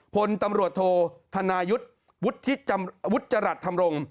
ผลตำรวจโทษธนายุทธวุธจรรย์ทำรง